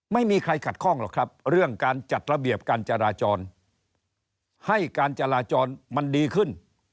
ไม่มีใครขัดข้องหรอกครับเรื่องการจัดระเบียบการจราจรให้การจราจรมันดีขึ้น